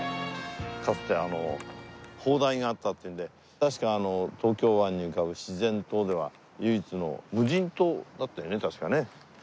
かつて砲台があったっていうんで確か東京湾に浮かぶ自然島では唯一の無人島だったよね確かね。